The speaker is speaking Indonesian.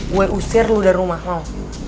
gue usir lu dari rumah kau